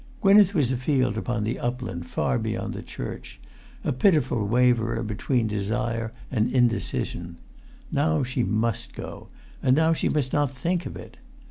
Gwynneth was afield upon the upland, far beyond the church, a pitiful waverer between desire and indecision. Now she must go; and now she must not think of it.